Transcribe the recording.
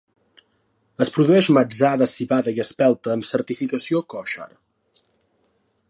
Es produeix matsà de civada i espelta amb certificació kosher.